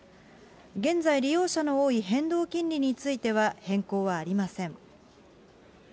現在、利用者の多い変動金利については、変更はありません。